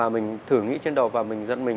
mình thử nghĩ trên đầu và mình giật mình